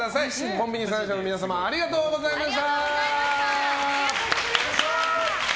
コンビニ３社の皆様ありがとうございました！